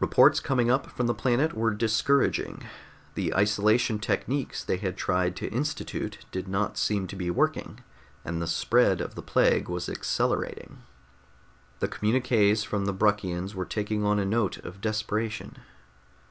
Reports coming up from the planet were discouraging; the isolation techniques they had tried to institute did not seem to be working, and the spread of the plague was accelerating. The communiqués from the Bruckians were taking on a note of desperation.